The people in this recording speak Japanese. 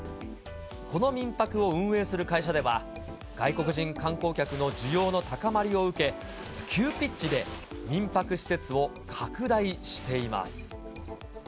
この民泊を運営する会社では、外国人観光客の需要の高まりを受け、急ピッチで民泊施設を拡大しています。